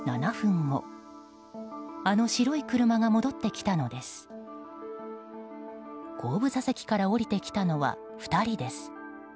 後部座席から降りてきたのは２人です。